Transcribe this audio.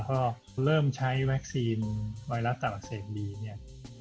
ก็เริ่มใช้แว็กซีนไวรัสต่างประเศษดี